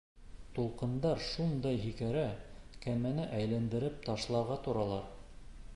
Тулҡындар шундай һикерә, кәмәне әйләндереп ташларға торалар.